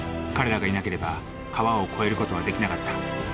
彼らがいなければ川を越える事はできなかった。